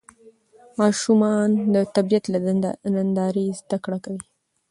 ماشومان د طبیعت له نندارې زده کړه کوي